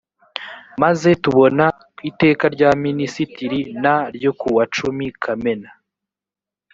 tumaze kubona iteka rya minisitiri n ryo kuwa cumi kamena